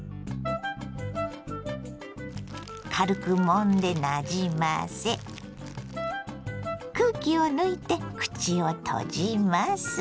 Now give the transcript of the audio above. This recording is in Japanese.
軽くもんでなじませ空気を抜いて口を閉じます。